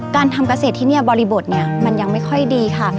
การทำเกษตรที่นี่บริบทเนี่ยมันยังไม่ค่อยดีค่ะ